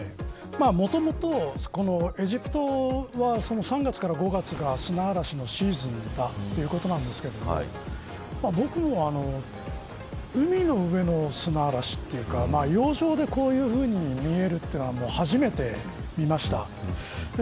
もともとエジプトは３月から５月が砂嵐のシーズンだということですが海の上の砂嵐というか洋上でこういうふうに見えるのは初めて見ました。